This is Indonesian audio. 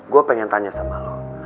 gue pengen tanya sama lo